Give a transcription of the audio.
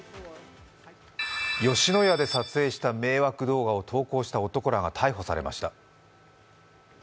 吉野家で撮影した迷惑動画を投稿した男らが逮捕されました。